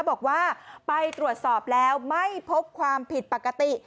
บอกว่าไปตรวจสอบแล้วไม่พบความผิดปกติ